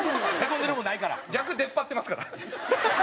逆出っ張ってますから。